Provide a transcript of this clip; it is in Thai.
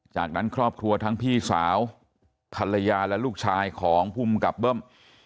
จากนั้นครอบครัวทั้งพี่สาวภรรยาและลูกชายของภูมิกับเบิ้ม